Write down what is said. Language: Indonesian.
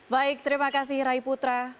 baik terima kasih rai putra